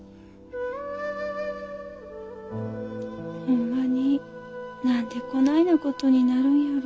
ほんまに何でこないなことになるんやろ。